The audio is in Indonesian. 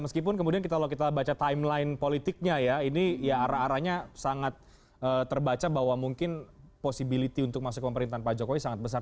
meskipun kalau kita baca timeline politiknya ya ini arah aranya sangat terbaca bahwa mungkin possibility untuk masuk ke pemerintahan pak jokowi sangat besar